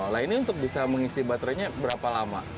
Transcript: lainnya untuk bisa mengisi baterainya berapa lama